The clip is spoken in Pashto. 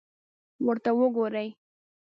ورته وګورئ!